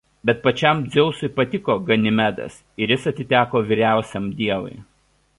Bet pačiam Dzeusui patiko Ganimedas ir jis atiteko vyriausiam dievui.